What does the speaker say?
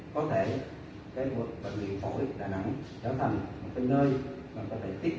có thể cái bộ bệnh viện phổi đà nẵng trở thành một nơi mà có thể tiếp nhận